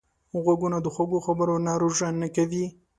غوږونه د خوږو خبرو نه روژه نه کوي